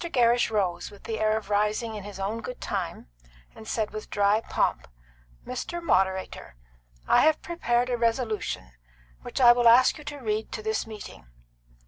Gerrish rose, with the air of rising in his own good time, and said, with dry pomp, "Mr. Moderator, I have prepared a resolution, which I will ask you to read to this meeting."